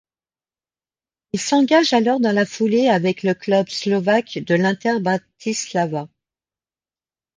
Il s'engage alors dans la foulée avec le club slovaque de l'Inter Bratislava.